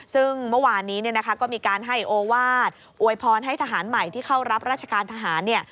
ซึ่งเมื่อวานนี้เนี่ยนะคะก็มีการให้โอวาสอวยพรให้ทหารใหม่ที่เข้ารับราชการทหารเนี่ย